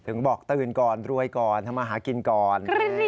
บอกตื่นก่อนรวยก่อนทำมาหากินก่อน